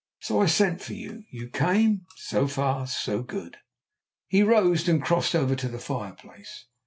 So I sent for you. You came. So far so good." He rose, and crossed over to the fireplace.